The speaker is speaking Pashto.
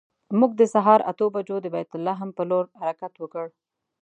موږ د سهار اتو بجو د بیت لحم پر لور حرکت وکړ.